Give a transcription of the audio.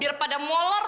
biar pada molor tuh semua